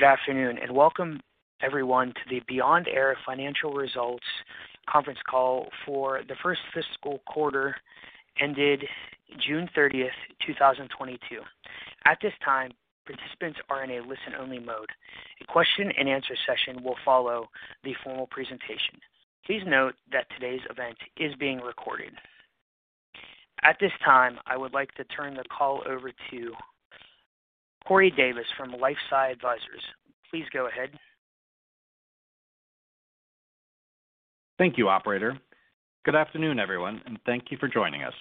Good afternoon and welcome everyone to the Beyond Air Financial Results conference call for the first fiscal quarter ended June 30th, 2022. At this time, participants are in a listen-only mode. A question-and-answer session will follow the formal presentation. Please note that today's event is being recorded. At this time, I would like to turn the call over to Corey Davis from LifeSci Advisors. Please go ahead. Thank you, operator. Good afternoon, everyone, and thank you for joining us.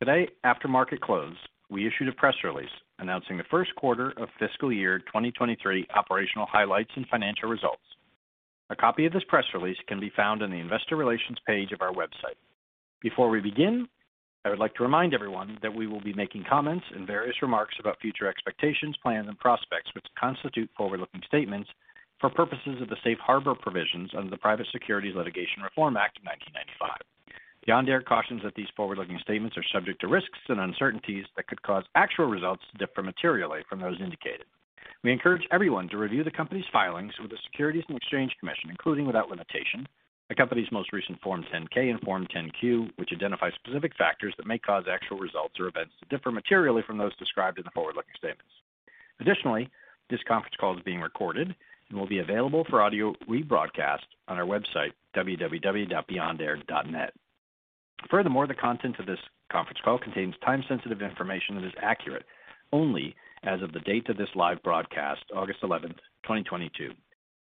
Today after market close, we issued a press release announcing Q1 of fiscal year 2023 operational highlights and financial results. A copy of this press release can be found on the investor relations page of our website. Before we begin, I would like to remind everyone that we will be making comments and various remarks about future expectations, plans and prospects, which constitute forward-looking statements for purposes of the safe harbor provisions under the Private Securities Litigation Reform Act of 1995. Beyond Air cautions that these forward-looking statements are subject to risks and uncertainties that could cause actual results to differ materially from those indicated. We encourage everyone to review the company's filings with the Securities and Exchange Commission, including, without limitation, the company's most recent Form 10-K and Form 10-Q, which identify specific factors that may cause actual results or events to differ materially from those described in the forward-looking statements. Additionally, this conference call is being recorded and will be available for audio rebroadcast on our website, www.beyondair.net. Furthermore, the content of this conference call contains time-sensitive information that is accurate only as of the date of this live broadcast, August 11th, 2022.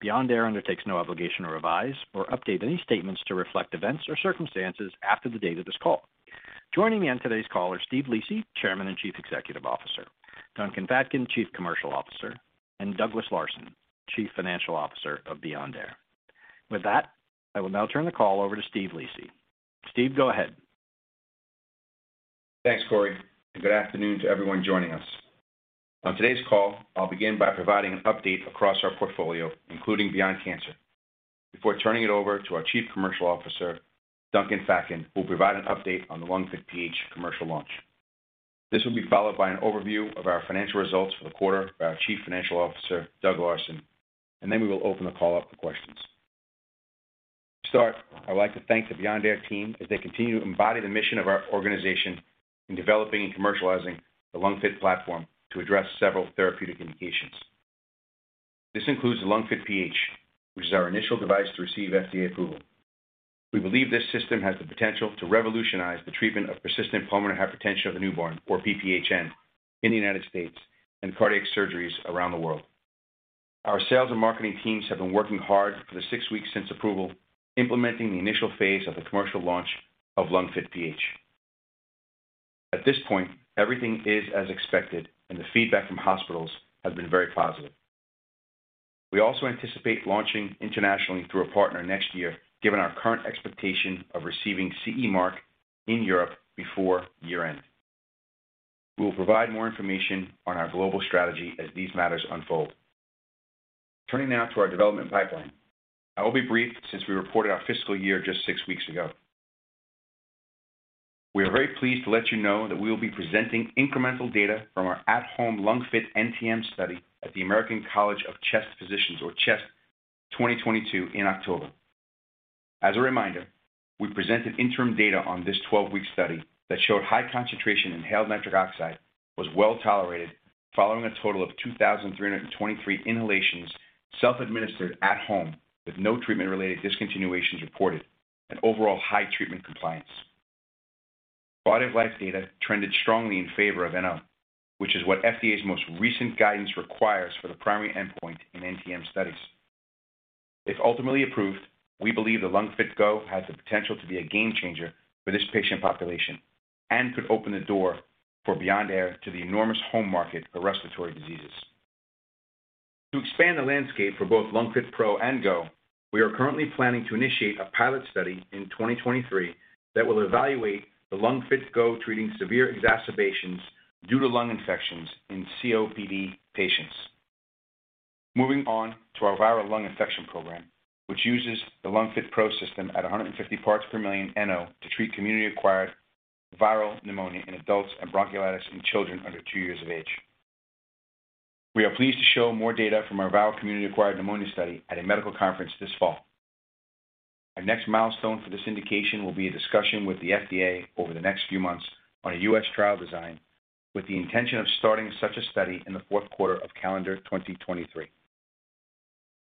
Beyond Air undertakes no obligation to revise or update any statements to reflect events or circumstances after the date of this call. Joining me on today's call are Steve Lisi, Chairman and Chief Executive Officer, Duncan Fatkin, Chief Commercial Officer, and Douglas Larson, Chief Financial Officer of Beyond Air. With that, I will now turn the call over to Steve Lisi. Steve, go ahead. Thanks, Corey, and good afternoon to everyone joining us. On today's call, I'll begin by providing an update across our portfolio, including Beyond Cancer, before turning it over to our Chief Commercial Officer, Duncan Fatkin, who will provide an update on the LungFit PH commercial launch. This will be followed by an overview of our financial results for the quarter by our Chief Financial Officer, Douglas Larson, and then we will open the call up for questions. To start, I'd like to thank the Beyond Air team as they continue to embody the mission of our organization in developing and commercializing the LungFit platform to address several therapeutic indications. This includes the LungFit PH, which is our initial device to receive FDA approval. We believe this system has the potential to revolutionize the treatment of persistent pulmonary hypertension of the newborn, or PPHN, in the United States and cardiac surgeries around the world. Our sales and marketing teams have been working hard for the six weeks since approval, implementing the initial phase of the commercial launch of LungFit PH. At this point, everything is as expected, and the feedback from hospitals has been very positive. We also anticipate launching internationally through a partner next year, given our current expectation of receiving CE mark in Europe before year-end. We will provide more information on our global strategy as these matters unfold. Turning now to our development pipeline. I will be brief since we reported our fiscal year just six weeks ago. We are very pleased to let you know that we will be presenting incremental data from our at-home LungFit NTM study at the American College of Chest Physicians, or CHEST 2022 in October. As a reminder, we presented interim data on this 12-week study that showed high concentration inhaled nitric oxide was well-tolerated following a total of 2,323 inhalations, self-administered at home, with no treatment-related discontinuations reported and overall high treatment compliance. Quality of life data trended strongly in favor of NO, which is what FDA's most recent guidance requires for the primary endpoint in NTM studies. If ultimately approved, we believe the LungFit GO has the potential to be a game changer for this patient population and could open the door for Beyond Air to the enormous home market for respiratory diseases. To expand the landscape for both LungFit PRO and GO, we are currently planning to initiate a pilot study in 2023 that will evaluate the LungFit GO treating severe exacerbations due to lung infections in COPD patients. Moving on to our viral lung infection program, which uses the LungFit PRO system at 150 parts per million NO to treat community-acquired viral pneumonia in adults and bronchiolitis in children under two years of age. We are pleased to show more data from our viral community-acquired pneumonia study at a medical conference this fall. Our next milestone for this indication will be a discussion with the FDA over the next few months on a U.S. trial design with the intention of starting such a study in Q4 of calendar 2023.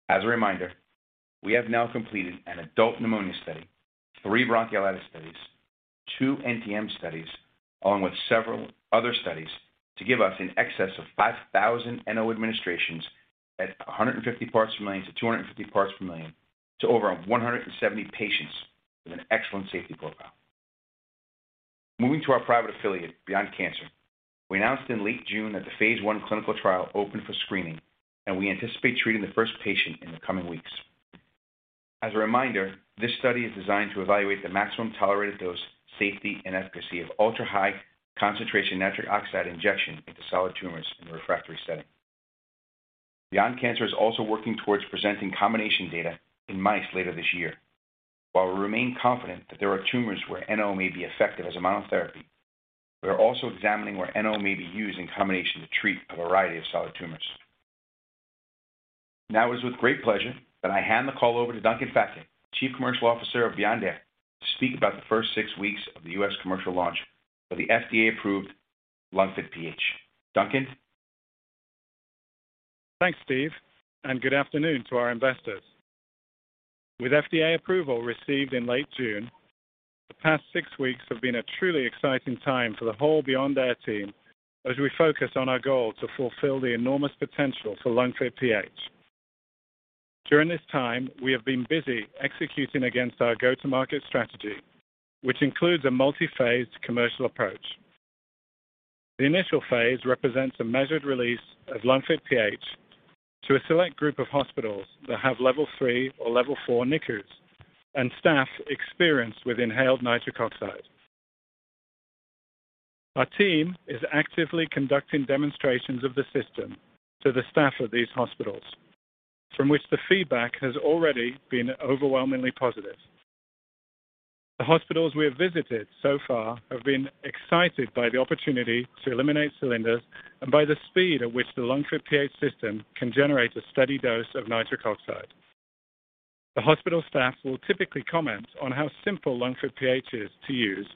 As a reminder, we have now completed an adult pneumonia study, three bronchiolitis studies, two NTM studies, along with several other studies to give us in excess of 5,000 NO administrations at 150 parts per million to 250 parts per million to over 170 patients with an excellent safety profile. Moving to our private affiliate, Beyond Cancer. We announced in late June that the Phase 1 clinical trial opened for screening, and we anticipate treating the first patient in the coming weeks. As a reminder, this study is designed to evaluate the maximum tolerated dose, safety, and efficacy of ultra-high concentration nitric oxide injection into solid tumors in the refractory setting. Beyond Cancer is also working towards presenting combination data in mice later this year. While we remain confident that there are tumors where NO may be effective as monotherapy. We are also examining where NO may be used in combination to treat a variety of solid tumors. Now it is with great pleasure that I hand the call over to Duncan Fatkin, Chief Commercial Officer of Beyond Air, to speak about the first six weeks of the U.S. commercial launch of the FDA-approved LungFit PH. Duncan. Thanks, Steve, and good afternoon to our investors. With FDA approval received in late June, the past six weeks have been a truly exciting time for the whole Beyond Air team as we focus on our goal to fulfill the enormous potential for LungFit PH. During this time, we have been busy executing against our go-to-market strategy, which includes a multi-phased commercial approach. The initial phase represents a measured release of LungFit PH to a select group of hospitals that have level three or level four NICUs and staff experienced with inhaled nitric oxide. Our team is actively conducting demonstrations of the system to the staff of these hospitals, from which the feedback has already been overwhelmingly positive. The hospitals we have visited so far have been excited by the opportunity to eliminate cylinders and by the speed at which the LungFit PH system can generate a steady dose of nitric oxide. The hospital staff will typically comment on how simple LungFit PH is to use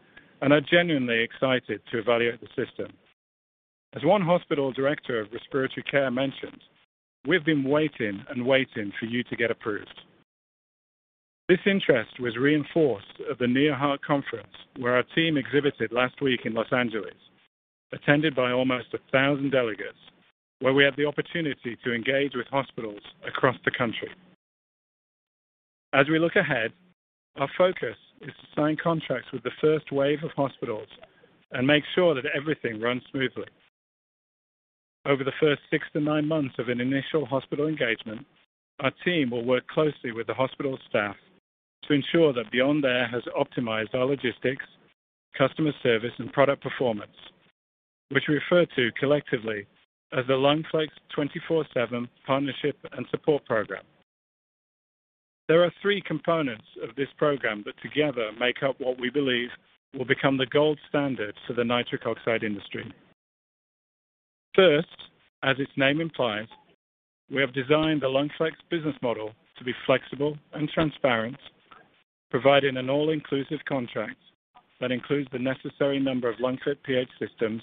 and are genuinely excited to evaluate the system. As one hospital director of respiratory care mentioned, "We've been waiting and waiting for you to get approved." This interest was reinforced at the NeoHeart Conference, where our team exhibited last week in Los Angeles, attended by almost a thousand delegates, where we had the opportunity to engage with hospitals across the country. As we look ahead, our focus is to sign contracts with the first wave of hospitals and make sure that everything runs smoothly. Over the first six to nine months of an initial hospital engagement, our team will work closely with the hospital staff to ensure that Beyond Air has optimized our logistics, customer service, and product performance, which we refer to collectively as the LungFlex 24/7 Partnership and Support Program. There are three components of this program that together make up what we believe will become the gold standard for the nitric oxide industry. First, as its name implies, we have designed the LungFlex business model to be flexible and transparent, providing an all-inclusive contract that includes the necessary number of LungFit PH systems,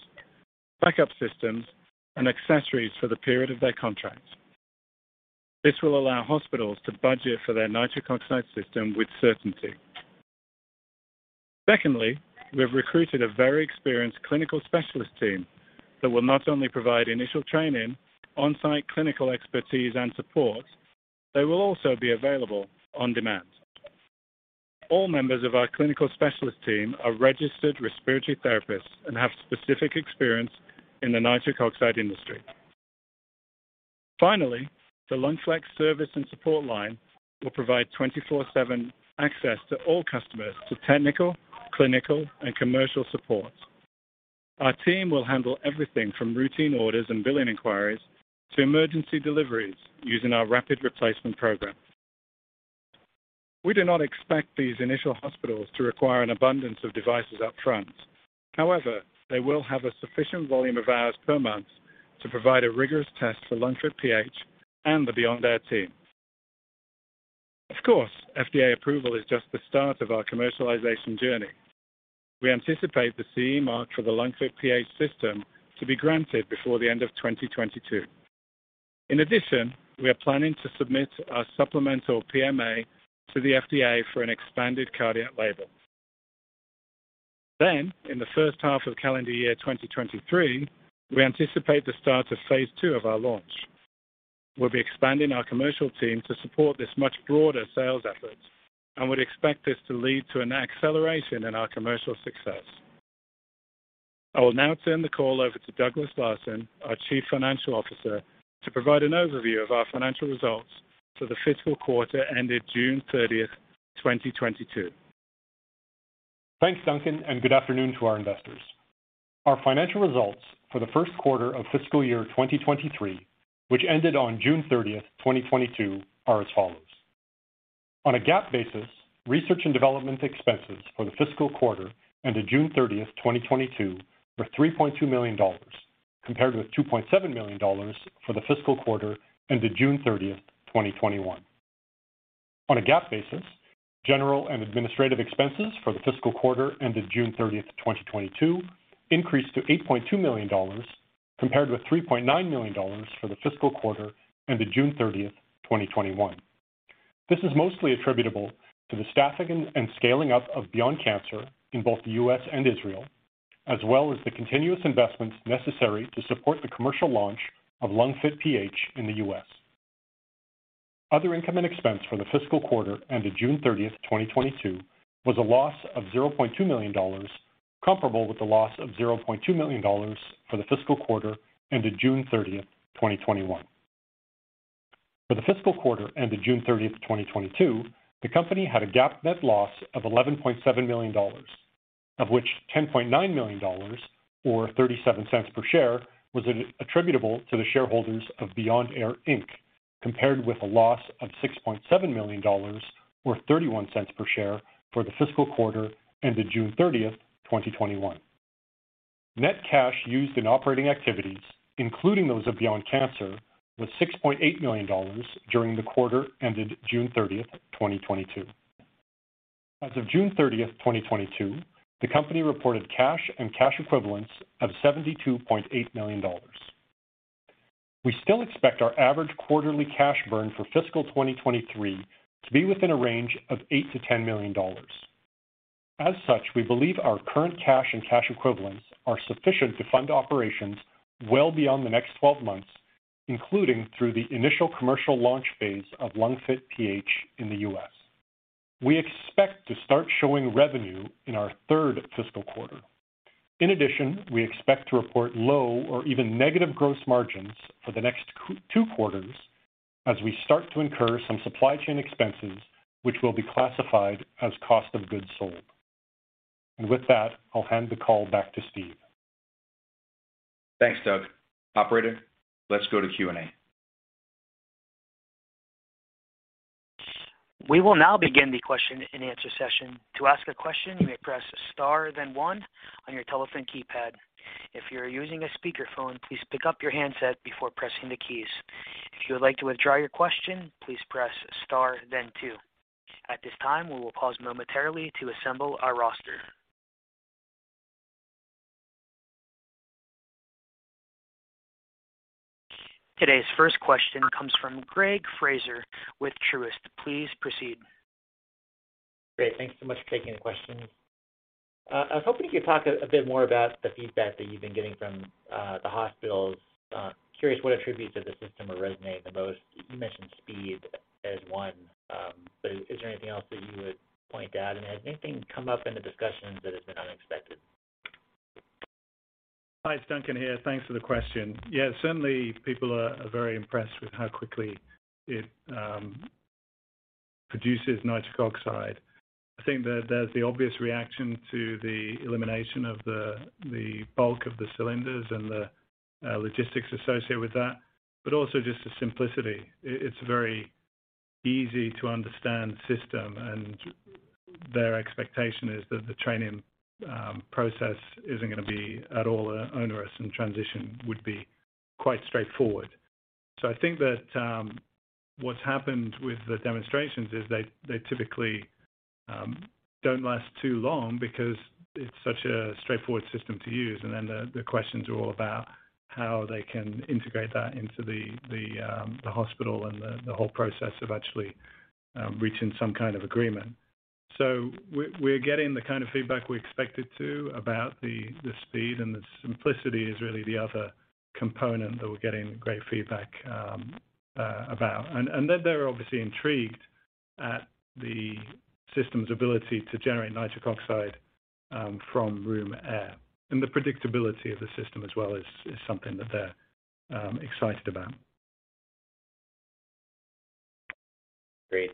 backup systems, and accessories for the period of their contract. This will allow hospitals to budget for their nitric oxide system with certainty. Secondly, we've recruited a very experienced clinical specialist team that will not only provide initial training, on-site clinical expertise, and support. They will also be available on demand. All members of our clinical specialist team are registered respiratory therapists and have specific experience in the nitric oxide industry. Finally, the LungFlex service and support line will provide 24/7 access to all customers to technical, clinical, and commercial support. Our team will handle everything from routine orders and billing inquiries to emergency deliveries using our rapid replacement program. We do not expect these initial hospitals to require an abundance of devices up front. However, they will have a sufficient volume of hours per month to provide a rigorous test for LungFit PH and the Beyond Air team. Of course, FDA approval is just the start of our commercialization journey. We anticipate the CE mark for the LungFit PH system to be granted before the end of 2022. In addition, we are planning to submit a supplemental PMA to the FDA for an expanded cardiac label. In the first half of calendar year 2023, we anticipate the start of Phase 2 of our launch. We'll be expanding our commercial team to support this much broader sales effort and would expect this to lead to an acceleration in our commercial success. I will now turn the call over to Douglas Larson, our Chief Financial Officer, to provide an overview of our financial results for the fiscal quarter ended June 30th, 2022. Thanks, Duncan, and good afternoon to our investors. Our financial results for Q1 of fiscal year 2023, which ended on June 30th, 2022, are as follows. On a GAAP basis, research and development expenses for the fiscal quarter ended June 30th, 2022, were $3.2 million, compared with $2.7 million for the fiscal quarter ended June 30th, 2021. On a GAAP basis, general and administrative expenses for the fiscal quarter ended June 30th, 2022, increased to $8.2 million, compared with $3.9 million for the fiscal quarter ended June 30th, 2021. This is mostly attributable to the staffing and scaling up of Beyond Cancer in both the U.S. and Israel, as well as the continuous investments necessary to support the commercial launch of LungFit PH in the U.S. Other income and expense for the fiscal quarter ended June 30th, 2022, was a loss of $0.2 million, comparable with a loss of $0.2 million for the fiscal quarter ended June 30th, 2021. For the fiscal quarter ended June 30th, 2022, the company had a GAAP net loss of $11.7 million, of which $10.9 million, or $0.37 per share, was attributable to the shareholders of Beyond Air, Inc. Compared with a loss of $6.7 million or $0.31 per share for the fiscal quarter ended June 30th, 2021. Net cash used in operating activities, including those of Beyond Cancer, was $6.8 million during the quarter ended June 30, 2022. As of June 30th, 2022, the company reported cash and cash equivalents of $72.8 million. We still expect our average quarterly cash burn for fiscal 2023 to be within a range of $8 million-$10 million. As such, we believe our current cash and cash equivalents are sufficient to fund operations well beyond the next 12 months, including through the initial commercial launch phase of LungFit PH in the US. We expect to start showing revenue in our third fiscal quarter. In addition, we expect to report low or even negative gross margins for the next two quarters as we start to incur some supply chain expenses, which will be classified as cost of goods sold. With that, I'll hand the call back to Steve. Thanks, Doug. Operator, let's go to Q&A. We will now begin the question-and-answer session. To ask a question, you may press star then one on your telephone keypad. If you're using a speakerphone, please pick up your handset before pressing the keys. If you would like to withdraw your question, please press star then two. At this time, we will pause momentarily to assemble our roster. Today's first question comes from Greg Fraser with Truist. Please proceed. Great. Thanks so much for taking the question. I was hoping you could talk a bit more about the feedback that you've been getting from the hospitals. Curious what attributes of the system are resonating the most. You mentioned speed as one, but is there anything else that you would point out? Has anything come up in the discussions that has been unexpected? Hi, it's Duncan here. Thanks for the question. Certainly, people are very impressed with how quickly it produces nitric oxide. I think that there's the obvious reaction to the elimination of the bulk of the cylinders and the logistics associated with that, but also just the simplicity. It's a very easy to understand system, and their expectation is that the training process isn't going to be at all onerous, and transition would be quite straightforward. I think that what's happened with the demonstrations is they typically don't last too long because it's such a straightforward system to use. Then the questions are all about how they can integrate that into the hospital and the whole process of actually reaching some agreement. We're getting the feedback we expected about the speed, and the simplicity is really the other component that we're getting great feedback about. Then they're obviously intrigued at the system's ability to generate nitric oxide from room air. The predictability of the system as well is something that they're excited about. Great.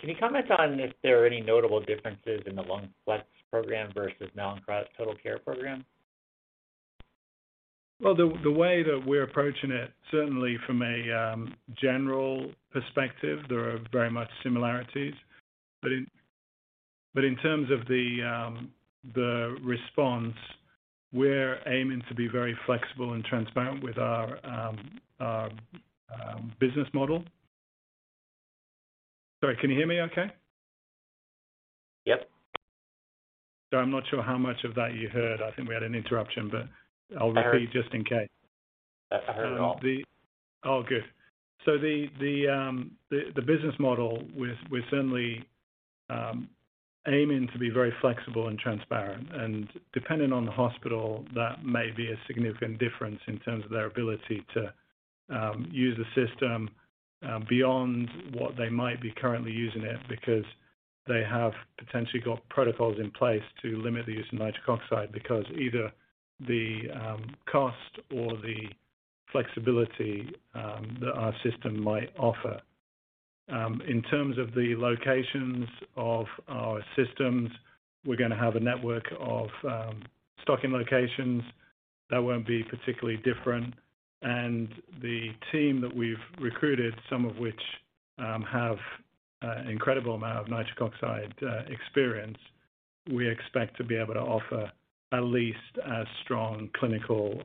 Can you comment on if there are any notable differences in the LungFlex program versus Mallinckrodt Total Care program? Well, the way that we're approaching it, certainly from a general perspective, there are very much similarities. In terms of the response, we're aiming to be very flexible and transparent with our business model. Sorry, can you hear me okay? Yes. I'm not sure how much of that you heard. I think we had an interruption, but I'll repeat just in case. I heard it all. Good. The business model, we're certainly aiming to be very flexible and transparent. Depending on the hospital, that may be a significant difference in terms of their ability to use the system beyond what they might be currently using it because they have potentially got protocols in place to limit the use of nitric oxide because either the cost or the flexibility that our system might offer. In terms of the locations of our systems, we're going to have a network of stocking locations that won't be particularly different. The team that we've recruited, some of which have an incredible amount of nitric oxide experience, we expect to be able to offer at least as strong clinical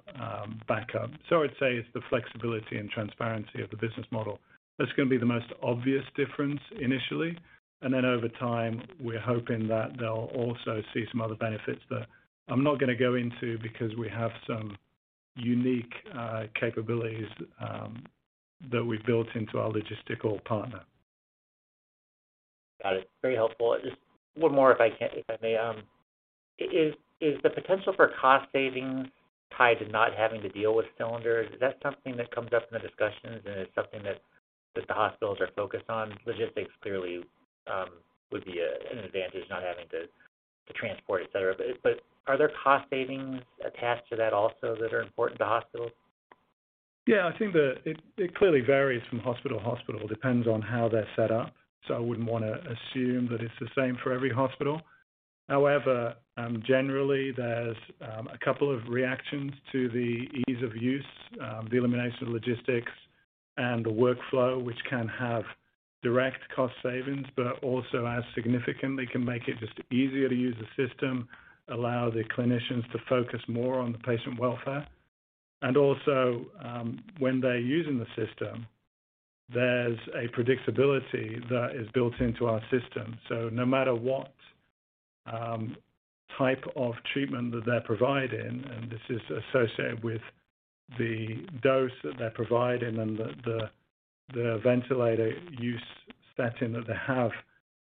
backup. I'd say it's the flexibility and transparency of the business model that's going to be the most obvious difference initially. Over time, we're hoping that they'll also see some other benefits that I'm not going to go into because we have some unique capabilities that we built into our logistical partner. Got it. Very helpful. Just one more, if I may. Is the potential for cost savings tied to not having to deal with cylinders? Is that something that comes up in the discussions, and is it something that the hospitals are focused on? Logistics clearly would be an advantage not having to transport, etc., but are there cost savings attached to that also that are important to hospitals? Yes. I think that it clearly varies from hospital to hospital. Depends on how they're set up. I wouldn't want to assume that it's the same for every hospital. However, generally there's a couple of reactions to the ease of use, the elimination of logistics and the workflow, which can have direct cost savings, but also can significantly make it just easier to use the system, allow the clinicians to focus more on the patient welfare. Also, when they're using the system, there's a predictability that is built into our system. No matter what type of treatment that they're providing, and this is associated with the dose that they're providing and the ventilator use setting that they have,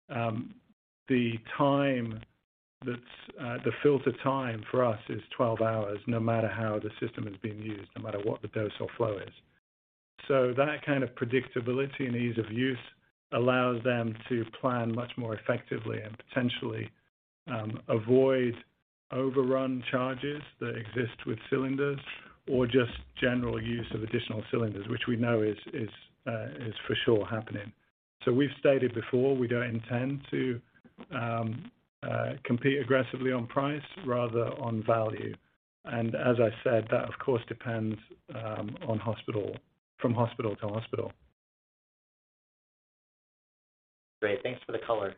the filter time for us is 12 hours, no matter how the system is being used, no matter what the dose or flow is. That predictability and ease of use allows them to plan much more effectively and potentially avoid overrun charges that exist with cylinders or just general use of additional cylinders, which we know is for sure happening. We've stated before, we don't intend to compete aggressively on price rather on value. As I said, that of course depends from hospital to hospital. Great. Thanks for the color.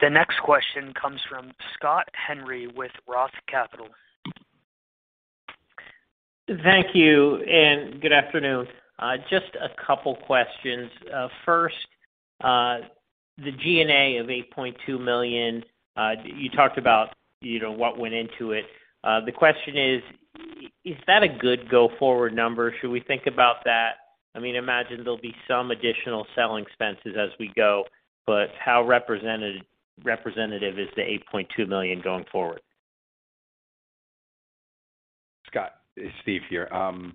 The next question comes from Scott Henry with Roth Capital. Thank you, and good afternoon. Just a couple of questions. First, the G&A of $8.2 million, you talked about what went into it. The question is that a good go-forward number? Should we think about that? Imagine there'll be some additional selling expenses as we go, but how representative is the $8.2 million going forward? Scott, it's Steve here. I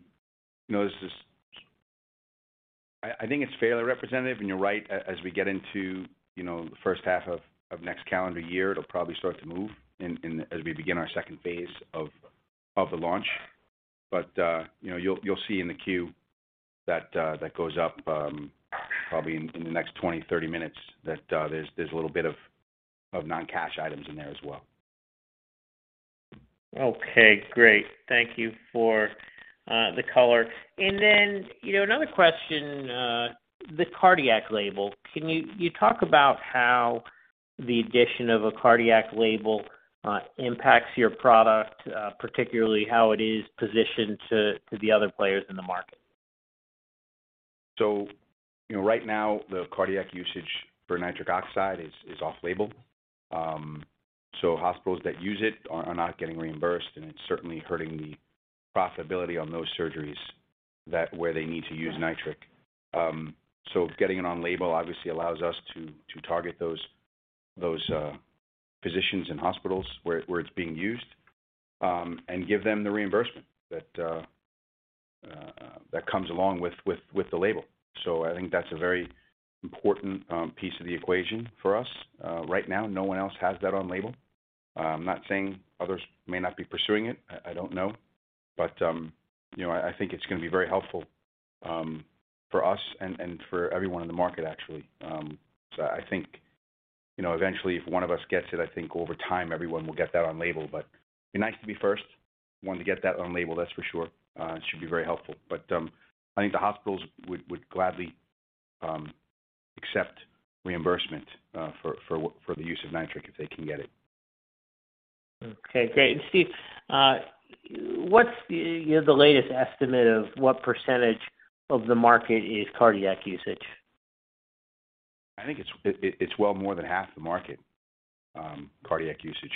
think it's fairly representative, and you're right. As we get into the first half of next calendar year, it'll probably start to move in as we begin our second phase of the launch. You'll see in the Q that goes up, probably in the next 20-30 minutes that there's a little bit of non-cash items in there as well. Okay, great. Thank you for the color. Another question, the cardiac label. Can you talk about how the addition of a cardiac label impacts your product, particularly how it is positioned to the other players in the market? Right now, the cardiac usage for nitric oxide is off-label. Hospitals that use it are not getting reimbursed, and it's certainly hurting the profitability on those surgeries where they need to use nitric. Getting it on label obviously allows us to target those physicians and hospitals where it's being used, and give them the reimbursement that comes along with the label. I think that's a very important piece of the equation for us. Right now, no one else has that on label. I'm not saying others may not be pursuing it. I don't know. I think it's going to be very helpful for us and for everyone in the market, actually. I think, eventually, if one of us gets it, I think over time, everyone will get that on label. It'd be nice to be first one to get that on label, that's for sure. It should be very helpful. I think the hospitals would gladly accept reimbursement for the use of nitric if they can get it. Okay, great. Steve, what's the latest estimate of what percentage of the market is cardiac usage? I think it's well more than half the market cardiac usage.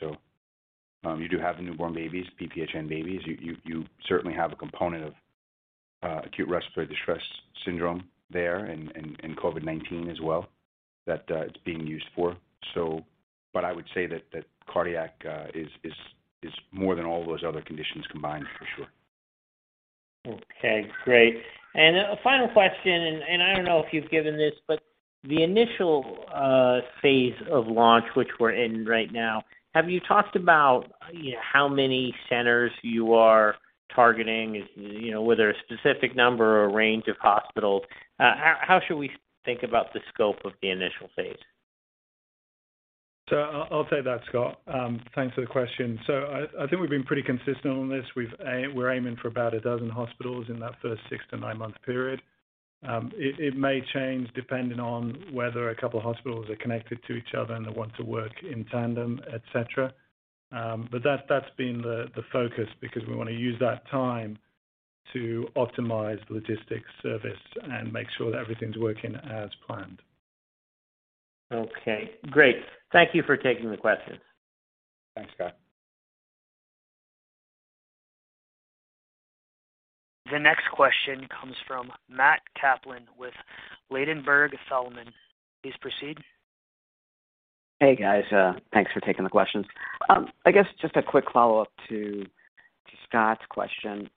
You do have the newborn babies, PPHN babies. You certainly have a component of acute respiratory distress syndrome there in COVID-19 as well that it's being used for. I would say that cardiac is more than all those other conditions combined, for sure. Okay, great. A final question, and I don't know if you've given this, but the initial phase of launch, which we're in right now, have you talked about how many centers you are targeting? Is there a specific number or a range of hospitals? How should we think about the scope of the initial phase? I'll take that, Scott. Thanks for the question. I think we've been pretty consistent on this. We're aiming for about a dozen hospitals in that first six to nine-month period. It may change depending on whether a couple hospitals are connected to each other and they want to work in tandem, etc. That's been the focus because we want to use that time to optimize the logistics service and make sure that everything's working as planned. Okay, great. Thank you for taking the questions. Thanks, Scott. The next question comes from Matt Kaplan with Ladenburg Thalmann. Please proceed. Hey, guys. Thanks for taking the questions. I guess just a quick follow-up to Scott's question.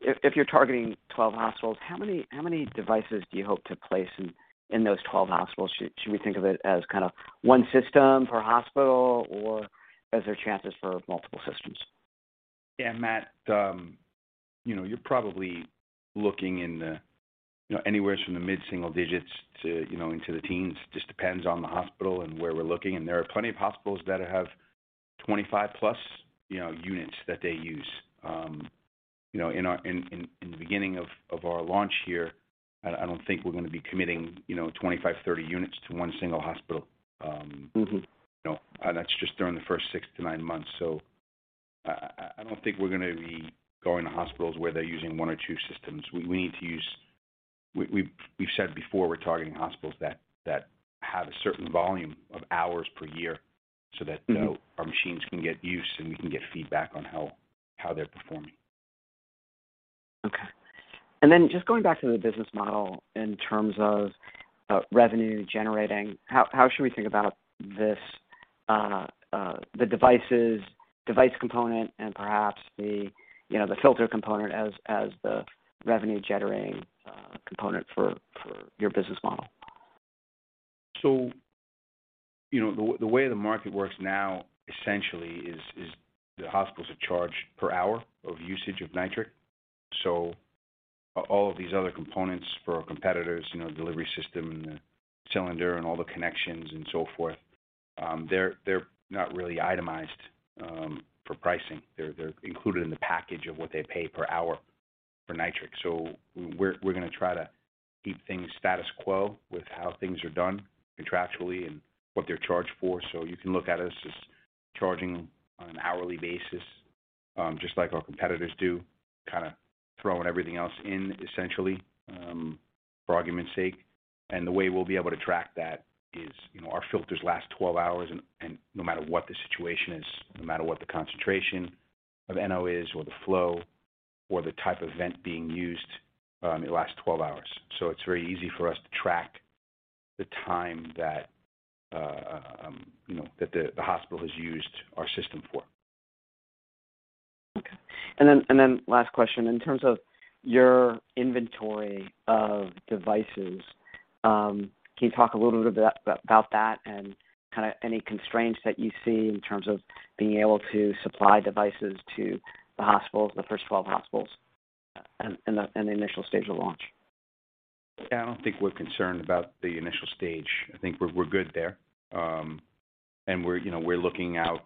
If you're targeting 12 hospitals, how many devices do you hope to place in those 12 hospitals? Should we think of it as one system per hospital, or is there chances for multiple systems? Matt, you're probably looking anywhere from the mid-single digits into the teens. Just depends on the hospital and where we're looking. There are plenty of hospitals that have 25+ units that they use. In the beginning of our launch here, I don't think we're going to be committing, 25-30 units to one single hospital. You know, that's just during the first six to nine months. I don't think we're going to be going to hospitals where they're using one or two systems. We've said before we're targeting hospitals that have a certain volume of hours per year so that our machines can get used, and we can get feedback on how they're performing. Okay. Just going back to the business model in terms of revenue generating, how should we think about the device component and perhaps, the filter component as the revenue generating component for your business model? The way the market works now essentially is the hospitals are charged per hour of usage of nitric. All of these other components for our competitors, delivery system and the cylinder, all the connections, and so forth, they're not really itemized for pricing. They're included in the package of what they pay per hour for nitric. We're going to try to keep things status quo with how things are done contractually and what they're charged for. You can look at us as charging on an hourly basis, just like our competitors do, throwing everything else in essentially, for argument's sake. The way we'll be able to track that is, our filters last 12 hours, and no matter what the situation is, no matter what the concentration of NO is or the flow or the type of vent being used, it lasts 12 hours. It's very easy for us to track the time that the hospital has used our system for. Okay. Last question. In terms of your inventory of devices, can you talk a little bit about that and any constraints that you see in terms of being able to supply devices to the first 12 hospitals in the initial stage of launch? Yes. I don't think we're concerned about the initial stage. I think we're good there. We're looking out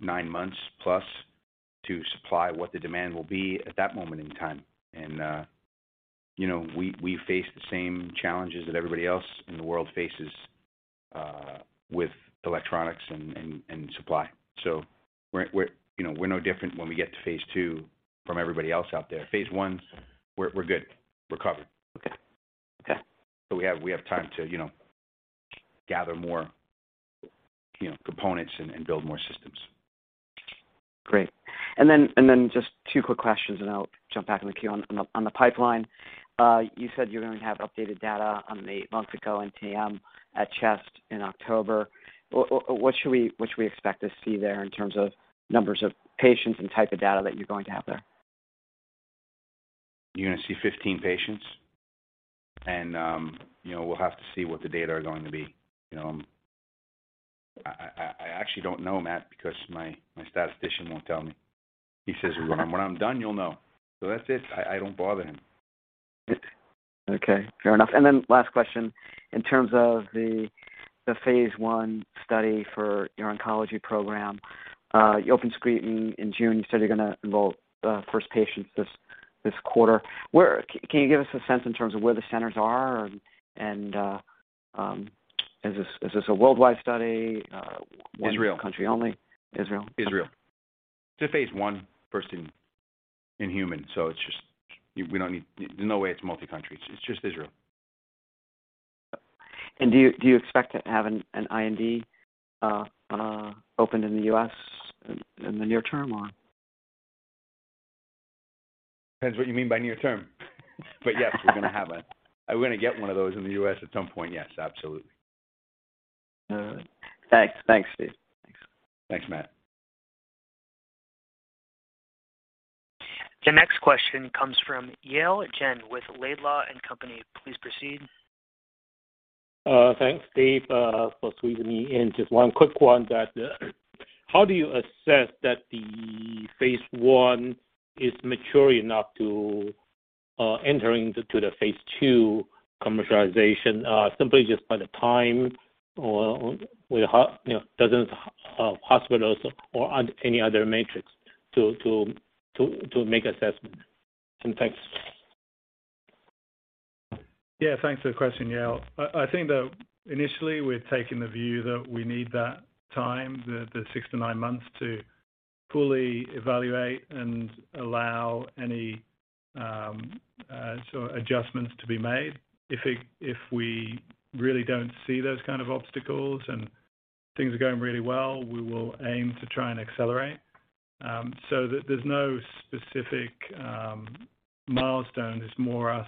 nine months plus to supply what the demand will be at that moment in time. We face the same challenges that everybody else in the world faces with electronics and supply. We're no different when we get to Phase 2 from everybody else out there. Phase 1, we're good. We're covered. Okay. We have time to gather more components and build more systems. Great. Just two quick questions, and I'll jump back in the queue. On the pipeline, you said you're going to have updated data on the months ago NTM at CHEST in October. What should we expect to see there in terms of numbers of patients and type of data that you're going to have there? You're going to see 15 patients, and we'll have to see what the data are going to be. I actually don't know, Matt, because my statistician won't tell me. He says, "When I'm done, you'll know." That's it. I don't bother him. Okay, fair enough. Then last question. In terms of the Phase 1 study for your oncology program, you open screening in June. You said you're going to enroll first patients this quarter. Can you give us a sense in terms of where the centers are and is this a worldwide study? Israel. One country only? Israel? It's a Phase 1, first in human. There's no way it's multi-country. It's just Israel. Do you expect to have an IND open in the U.S. in the near term or? Depends what you mean by near-term. Yes, we're going to get one of those in the U.S. at some point, yes, absolutely. All right. Thanks, Steve. Thanks, Matt. The next question comes from Yale Jen with Laidlaw & Company. Please proceed. Thanks, Steve, for squeezing me in. Just one quick one. How do you assess that the Phase 1 is mature enough to entering to the Phase 2 commercialization? Simply just by the time or with dozens of hospitals or any other metrics to make assessment? Thanks. Yes, thanks for the question, Yale. I think that initially we're taking the view that we need that time, the six to nine months, to fully evaluate and allow any adjustments to be made. If we really don't see those obstacles and things are going really well, we will aim to try and accelerate. There's no specific milestone. It's more us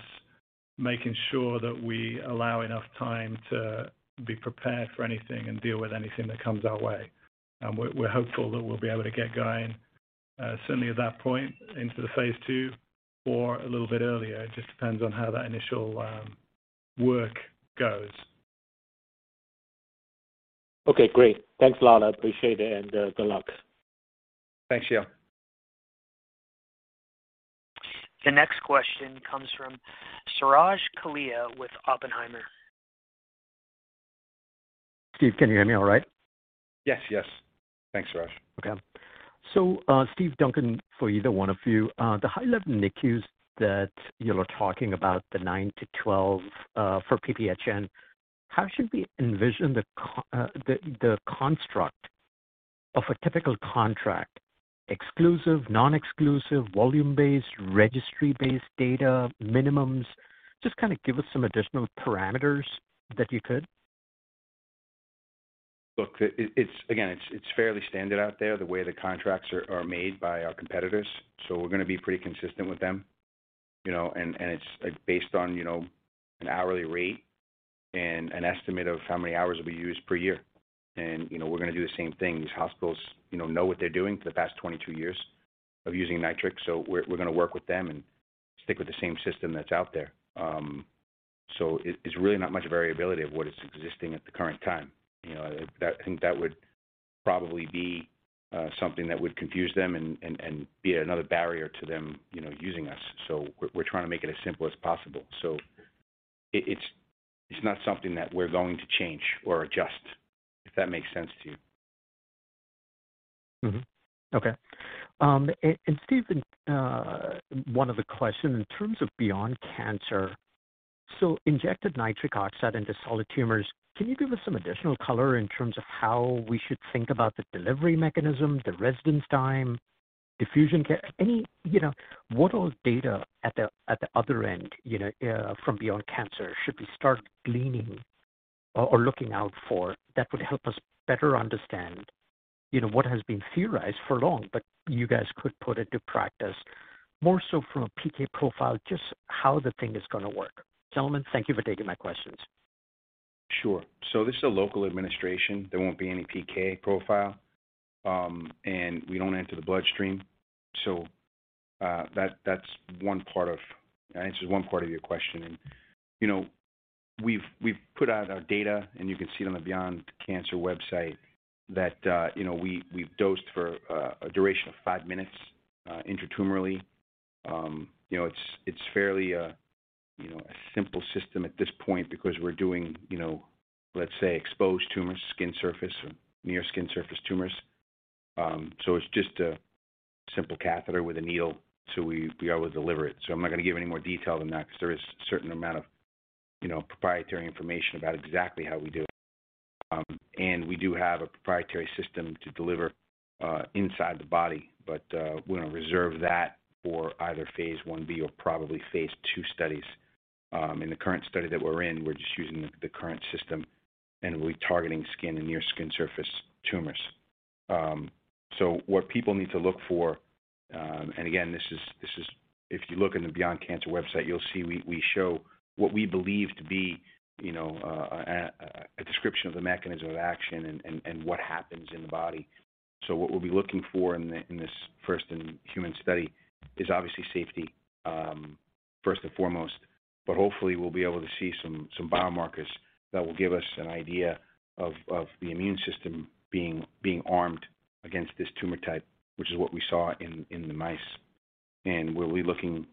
making sure that we allow enough time to be prepared for anything and deal with anything that comes our way. We're hopeful that we'll be able to get going certainly at that point into the Phase 2 or a little bit earlier. It just depends on how that initial work goes. Okay, great. Thanks a lot. I appreciate it, and good luck. Thanks, Yale. The next question comes from Suraj Kalia with Oppenheimer. Steve, can you hear me all right? Yes. Thanks, Suraj. Steve, Duncan, for either one of you, the high-level NICUs that you are talking about, the 9-12, for PPHN, how should we envision the construct of a typical contract? Exclusive, non-exclusive, volume-based, registry-based data, minimums? Just give us some additional parameters that you could. Look, again, it's fairly standard out there the way the contracts are made by our competitors, so we're going to be pretty consistent with them. It's based on an hourly rate and an estimate of how many hours will be used per year. We're going to do the same thing. These hospitals, you know what they're doing for the past 22 years of using Nitric. We're going to work with them and stick with the same system that's out there. It is really not much variability of what is existing at the current time. That would probably be something that would confuse them and be another barrier to them, using us. We're trying to make it as simple as possible. It's not something that we're going to change or adjust, if that makes sense to you. Steve, one other question. In terms of Beyond Cancer, injected nitric oxide into solid tumors, can you give us some additional color in terms of how we should think about the delivery mechanism, the residence time, diffusion? What data at the other end, from Beyond Cancer should we start gleaning or looking out for that would help us better understand, what has been theorized for long, but you guys could put into practice more so from a PK profile, just how the thing is going to work? Gentlemen, thank you for taking my questions. Sure. This is a local administration. There won't be any PK profile. We don't enter the bloodstream. That answers one part of your question. We've put out our data, and you can see it on the Beyond Cancer website. We've dosed for a duration of five minutes intratumorally. It's fairly a simple system at this point because we're doing let's say exposed tumors, skin surface, or near skin surface tumors. It's just a simple catheter with a needle. We always deliver it. I'm not going to give any more detail than that because there is a certain amount of proprietary information about exactly how we do it. We do have a proprietary system to deliver inside the body, but we're going to reserve that for either Phase 1B or probably Phase 2 studies. In the current study that we're in, we're just using the current system, and we'll be targeting skin and near skin surface tumors. What people need to look for, and again, this is, if you look in the Beyond Cancer website, you'll see we show what we believe to be a description of the mechanism of action and what happens in the body. What we'll be looking for in this first in human study is obviously safety, first and foremost. Hopefully, we'll be able to see some biomarkers that will give us an idea of the immune system being armed against this tumor type, which is what we saw in the mice. We'll be looking,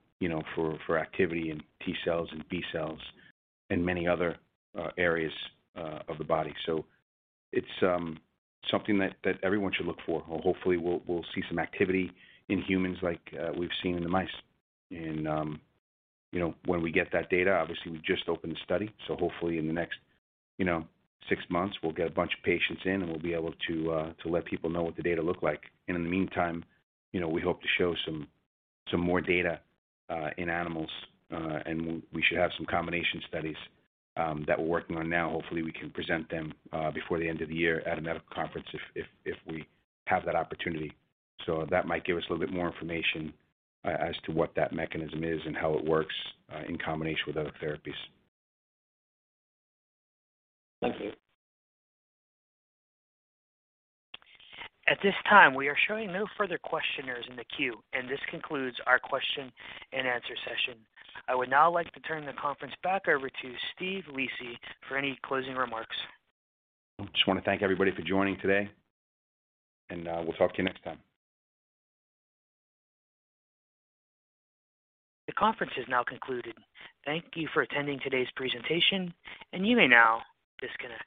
for activity in T-cells and B-cells and many other areas of the body. It's something that everyone should look for. Well, hopefully, we'll see some activity in humans like we've seen in the mice. When we get that data, obviously, we've just opened the study. Hopefully, in the next six months we'll get a bunch of patients in, and we'll be able to to let people know what the data look like. In the meantime, we hope to show some more data in animals, and we should have some combination studies that we're working on now. Hopefully, we can present them before the end of the year at a medical conference if we have that opportunity. That might give us a little bit more information as to what that mechanism is and how it works in combination with other therapies. Thank you. At this time, we are showing no further questioners in the queue, and this concludes our question and answer session. I would now like to turn the conference back over to Steve Lisi for any closing remarks. I just want to thank everybody for joining today, and we'll talk to you next time. The conference has now concluded. Thank you for attending today's presentation, and you may now disconnect.